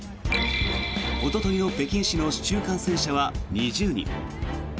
おとといの北京市の市中感染者は２０人。